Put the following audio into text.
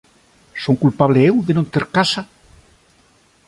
¿Son culpable eu de non ter casa?